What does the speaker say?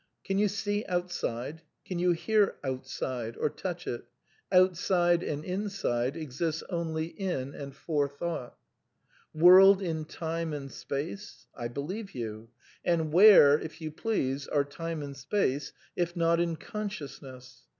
Can you see "outside"? Can you hear " outside " or touch it ? Outside (and inside) ex ists only in and for thought. World in time and space ? I believe you ; and where, if you please, are time and space if not in consciousness